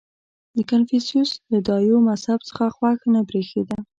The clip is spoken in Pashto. • کنفوسیوس له دایو مذهب څخه خوښ نه برېښېده.